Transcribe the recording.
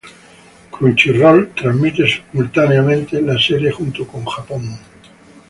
Crunchyroll transmite simultáneamente la serie junto con Japón.